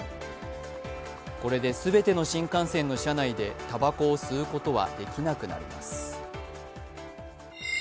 これで全ての新幹線の車内でたばこを吸うことはできなくなります。